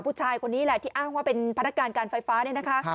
ผู้ชายคนนี้แหละที่อ้างว่าเป็นพนักการการไฟฟ้าเนี่ยนะคะ